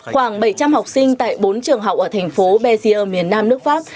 khoảng bảy trăm linh học sinh tại bốn trường học ở thành phố bezier miền nam nước pháp